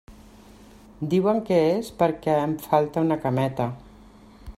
Diuen que és perquè em falta una cameta.